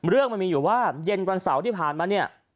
เรื่องมันมีอยู่ว่าเย็นวันเสาร์ที่ผ่านมาเนี่ย